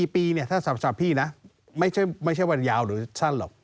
๔ปีเนี่ยถ้าสับพี่นะไม่ใช่วันยาวหรือสั้นหรอก